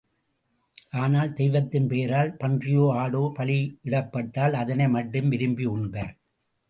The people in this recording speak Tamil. ஆனால், தெய்வத்தின் பெயரால் பன்றியோ ஆடோ பலியிடப்பட்டால் அதனை மட்டும் விரும்பி உண்பர்.